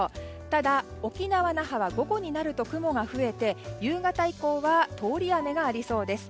ただ、沖縄・那覇は午後になると雲が増えて、夕方以降は通り雨がありそうです。